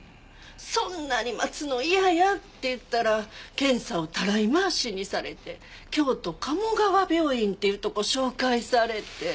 そんなに待つの嫌やって言ったら検査をたらい回しにされて京都鴨川病院っていうとこ紹介されて。